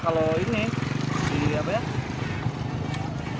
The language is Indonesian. kalau ini yang lebih permanen gitu